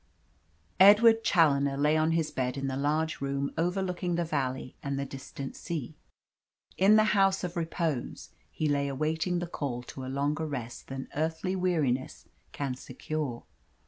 Edward Challoner lay on his bed in the large room overlooking the valley and the distant sea. In the House of Repose he lay awaiting the call to a longer rest than earthly weariness can secure.